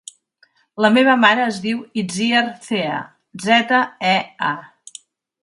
La meva mare es diu Itziar Zea: zeta, e, a.